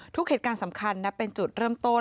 เหตุการณ์สำคัญนับเป็นจุดเริ่มต้น